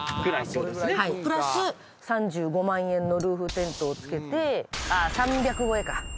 プラス３５万円のルーフテントをつけて３００超えか。